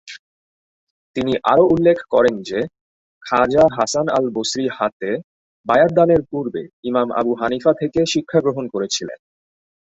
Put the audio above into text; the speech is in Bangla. তিনি আরো উল্লেখ করেন যে খাজা হাসান আল-বসরী হাতে বায়াত দানের পূর্বে ইমাম আবু হানিফা থেকে শিক্ষা গ্রহণ করেছিলেন।